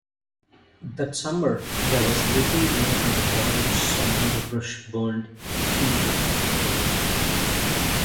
That summer, there was little rain and the forests and underbrush burned easily.